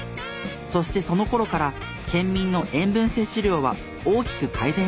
そしてその頃から県民の塩分摂取量は大きく改善していきました。